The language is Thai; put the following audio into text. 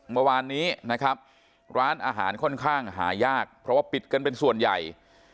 เมื่อวานนี้นะครับร้านอาหารค่อนข้างหายากเพราะว่าปิดกันเป็นส่วนใหญ่